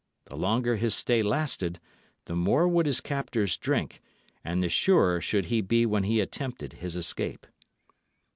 The longer his stay lasted, the more would his captors drink, and the surer should he be when he attempted his escape.